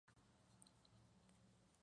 Hubo glaciares en Nueva Zelanda y Tasmania.